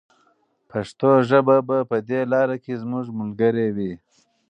پښتو ژبه به په دې لاره کې زموږ ملګرې وي.